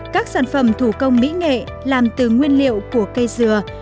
các sản phẩm thủ công mỹ nghệ làm từ nguyên liệu của cây dừa